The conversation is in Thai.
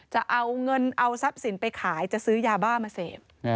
จะเอาเงินเอาทรัพย์สินไปขายจะซื้อยาบ้ามาเสพ